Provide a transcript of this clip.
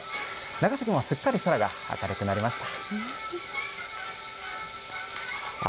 長崎もすっかり空が明るくなりました。